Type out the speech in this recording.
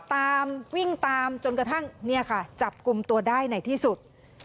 ตามวิ่งตามจนกระทั่งเนี่ยค่ะจับกลุ่มตัวได้ในที่สุด